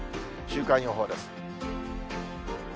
週間予報です。